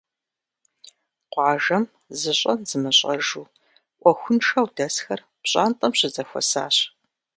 Къуажэм зыщӀэн зымыщӀэжу, Ӏуэхуншэу дэсхэр пщӀантӀэм щызэхуэсащ.